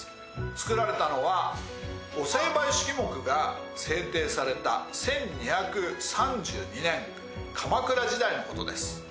つくられたのは御成敗式目が制定された１２３２年鎌倉時代のことです。